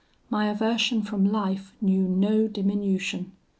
My aversion from life knew no diminution.